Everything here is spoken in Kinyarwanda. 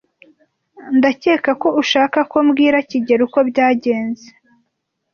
Ndakeka ko ushaka ko mbwira kigeli uko byagenze.